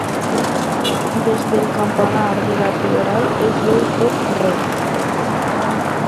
Des del campanar de la Prioral, es veu tot Reus.